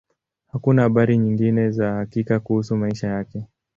Hakuna habari nyingi za hakika kuhusu maisha yake.